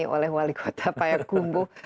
terima kasih banyak banyak oleh wali kota payakumbuh